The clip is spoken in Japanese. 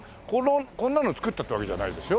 こんなの造ったってわけじゃないですよ